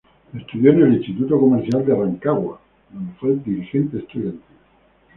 Estudió en el Instituto Comercial de Rancagua, donde fue dirigente estudiantil.